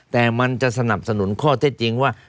แต่มันจะสนับสนุนข้อเท็จจริงว่า